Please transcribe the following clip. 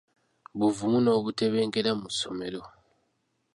Buvumu n'Okutebenkera mu ssomero.